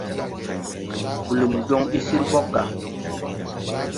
Blum jɔŋ ɓi sír ɓɔg gà.